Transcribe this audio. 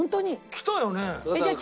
来たよね？